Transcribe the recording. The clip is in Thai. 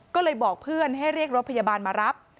ก็เลยบอกเพื่อนให้เรียกรถพยาบาลมารับ